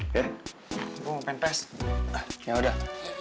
gue mau pengen pes yaudah